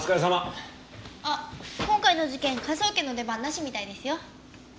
あっ今回の事件科捜研の出番なしみたいですよ。